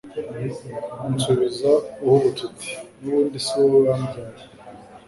unsubiza uhubutse uti “ n'ubundi si wowe wambyaye